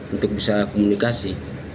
untuk bisa komunikasi